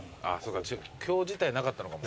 今日自体なかったのかも。